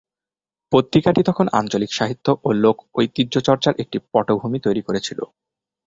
পত্রিকাটি তখন আঞ্চলিক সাহিত্য ও লোক-ঐতিহ্যচর্চার একটি পটভূমি তৈরি করেছিল।